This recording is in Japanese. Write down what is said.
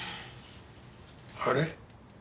あれ？